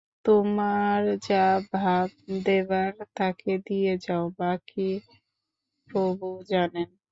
তোমার যা ভাব দেবার থাকে দিয়ে যাও, বাকী প্রভু জানেন।